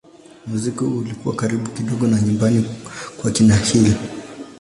Muziki huo ulikuwa karibu kidogo na nyumbani kwa kina Hill.